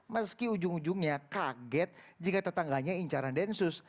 meski ujung ujungnya kaget jika tetangganya incaran densus